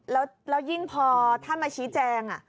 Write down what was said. แล้วยิ่งพอท่านมาชี้แจง